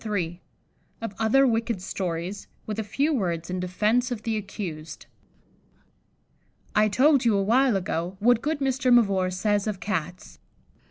] Of other Wicked Stories, with a few Words in Defence of the Accused. I told you awhile ago what good Mr. Mavor says of Cats.